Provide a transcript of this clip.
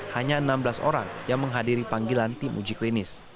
hanya enam belas orang yang menghadiri panggilan tim uji klinis